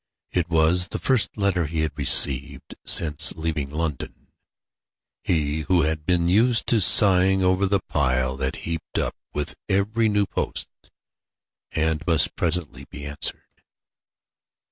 It was the first letter he had received since leaving London he, who had been used to sighing over the pile that heaped up with every new post, and must presently be answered.